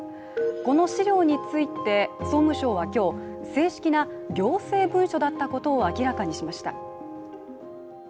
この資料について総務省は今日、正式な行政文書だったことを明らかにしました。